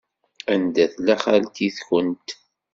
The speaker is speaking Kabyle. Anda tella xalti-twent?